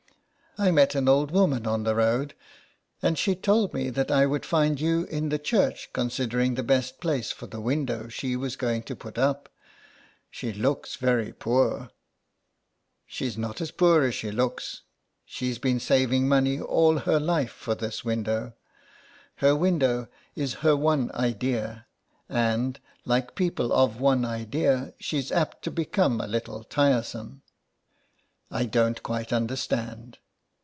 "I met an old woman on the road, and she told me that I would find you in the church consider ing the best place for the window she was going to put up. She looks very poor." " She's not as poor as she looks ; she's been saving money all her life for this window. Her window is lOO SOME PARISHIONERS. her one idea, and, like people of one idea, she's apt to become a little tiresome." " I don't quite understand."